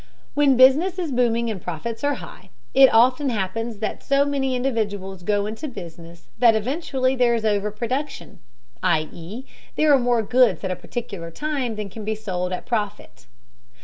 When business is booming and profits are high, it often happens that so many individuals go into business that eventually there is over production, i.e. there are more goods at a particular time than can be sold at a profit.